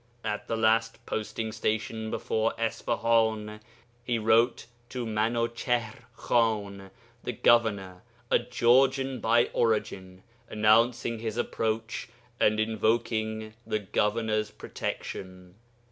At the last posting station before Isfahan he wrote to Minuchihr Khan, the governor (a Georgian by origin), announcing his approach and invoking the governor's protection.